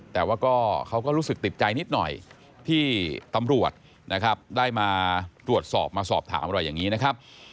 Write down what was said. แต่ว่าก็เขาก็รู้สึกติดใจนิดหน่อยที่ตำรวจนะครับได้มาตรวจสอบมาสอบถามอะไรอย่างนี้นะครับ